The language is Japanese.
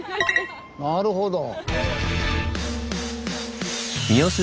なるほど。